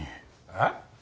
えっ？